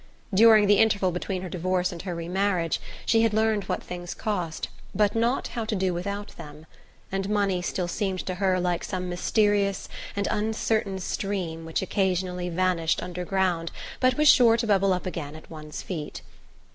During the interval between her divorce and her remarriage she had learned what things cost, but not how to do without them; and money still seemed to her like some mysterious and uncertain stream which occasionally vanished underground but was sure to bubble up again at one's feet.